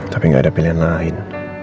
tapi nggak ada pilihan lain